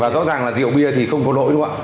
rõ ràng là rượu bia thì không có lỗi đúng không ạ